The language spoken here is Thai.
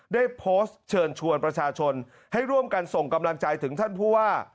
ได้โพสต์เชิญชวนประชาชนให้ร่วมกันส่งกำลังใจถึงท่านผู้ว่า